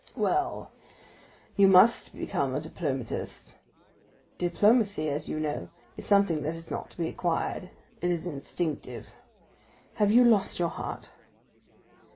"Well, you must become a diplomatist; diplomacy, you know, is something that is not to be acquired; it is instinctive. Have you lost your heart?"